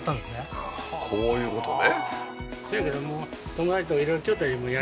ああーこういうことね